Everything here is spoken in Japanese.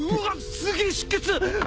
すげえ出血！